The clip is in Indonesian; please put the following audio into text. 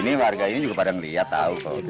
ini warga ini juga pada ngelihat tau